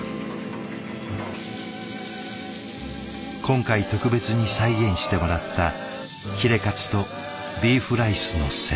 今回特別に再現してもらったヒレカツとビーフライスのセット。